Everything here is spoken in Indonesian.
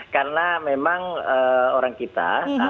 karena memang orang kita